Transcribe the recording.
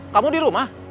kamu di rumah